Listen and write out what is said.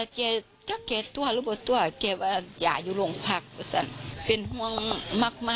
ถ้าเกตัวหรือไม่ตัวเกตว่ายาอยู่ลงพักเป็นห้องมากเลยล่ะ